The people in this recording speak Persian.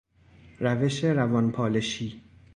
روش روانپالشی